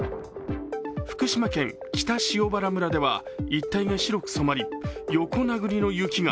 福島県北塩原村では一帯が白く染まり、横殴りの雪が。